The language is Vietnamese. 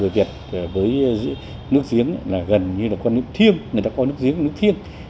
với nước diếng là gần như là con nước thiêm người ta coi nước diếng là nước thiêm